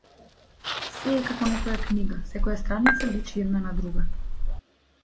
Сѐ е како некоја книга, секоја страница личи една на друга.